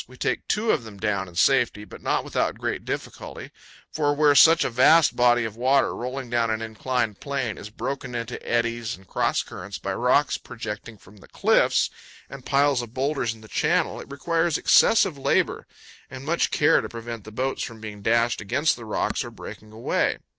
We take two of them down in safety, but not without great difficulty; for, where such a vast body of water, rolling down an inclined plane, is broken into eddies and cross currents by rocks projecting from the cliffs and piles of boulders in the channel, it requires excessive labor and much care to prevent the boats from being dashed against the rocks or breaking away.